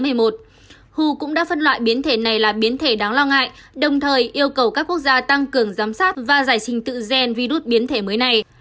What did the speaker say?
hu cũng đã phân loại biến thể này là biến thể đáng lo ngại đồng thời yêu cầu các quốc gia tăng cường giám sát và giải trình tự gen virus biến thể mới này